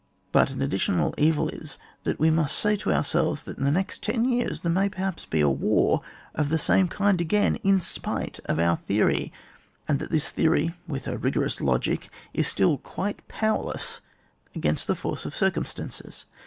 But an additional evil is, that we must say to ourselves, that in the next ten years there may perhaps be a war of that same kind again, in spite of our Theory ; and that this Theory, with a rigorous logic, is still quite powerless against the force of circumstances.